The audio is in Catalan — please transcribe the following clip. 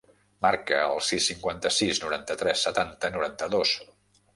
Marca el sis, cinquanta-sis, noranta-tres, setanta, noranta-dos.